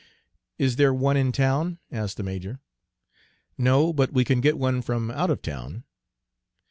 "Is there one in town?" asked the major. "No, but we can get one from out of town."